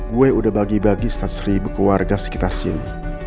gue udah bagi bagi seribu keluarga sekitar sini